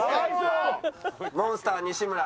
モンスター西村。